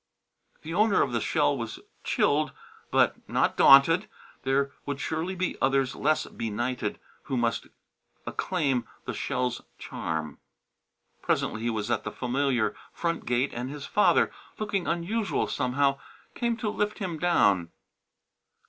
The owner of the shell was chilled but not daunted. There would surely be others less benighted who must acclaim the shell's charm. Presently he was at the familiar front gate and his father, looking unusual, somehow, came to lift him down.